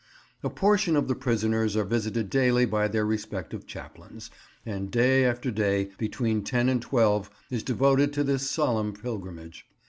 A portion of the prisoners are visited daily by their respective chaplains, and day after day, between ten and twelve, is devoted to this solemn pilgrimage.